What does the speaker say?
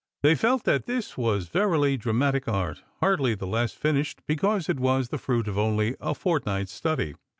They felt that this was verily dramatic art, hardly the lesa finished because it was the fruit of only a fortnight's study.